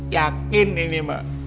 yakin ini mah